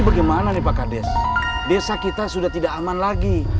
bagaimana repokades desa kita sudah tidak aman lagi